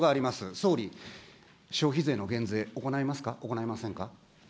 総理、消費税の減税行いますか、行いませんか。